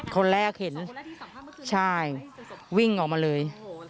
คนแรกเห็นใช่วิ่งออกมาเลย